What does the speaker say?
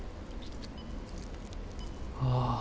ああ